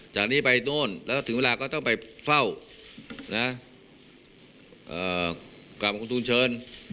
จากนี้ไปโน้นแล้วถึงเวลาก็ต้องไปเฝ้านะเอ่อกราบปังคมทุนเชิญ